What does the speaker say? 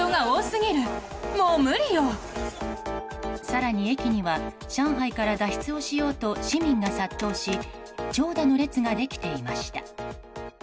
更に、駅には上海から脱出をしようと市民が殺到し長蛇の列ができていました。